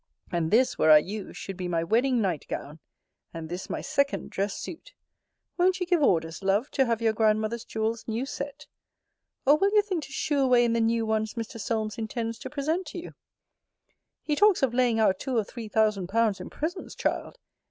And this, were I you, should be my wedding night gown And this my second dressed suit! Won't you give orders, love, to have your grandmother's jewels new set? Or will you thing to shew away in the new ones Mr. Solmes intends to present to you? He talks of laying out two or three thousand pounds in presents, child!